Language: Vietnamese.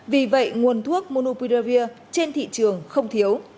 vì vậy nguồn thuốc monopirevir trên thị trường không thiếu